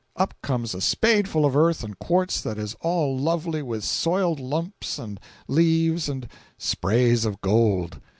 Up comes a spadeful of earth and quartz that is all lovely with soiled lumps and leaves and sprays of gold.